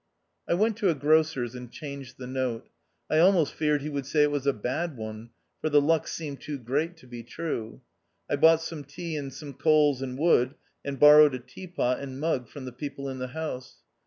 I went to a grocer's and changed the note. I almost feared he would say it was a bad one, for the luck seemed too great to be true. I bought some tea and some coals and wood, and borrowed a tea pot and mug from the people in the house.